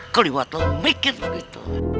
kelewatan mikir begitu